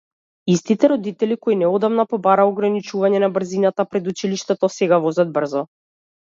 Истите родители кои неодамна побараа ограничување на брзината пред училиштето, сега возат брзо.